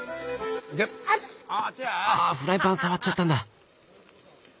あフライパン触っちゃったんだ。